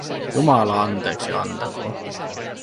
Jumala anteeksi antakoon.